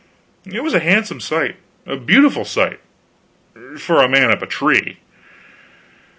It was a handsome sight, a beautiful sight for a man up a tree.